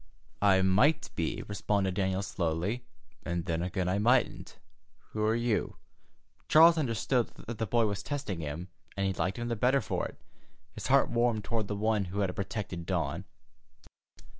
"I might be," responded Daniel slowly, "and then again I mightn't. Who are you?" Charles understood that the boy was testing him, and he liked him the better for it. His heart warmed toward the one who had protected Dawn.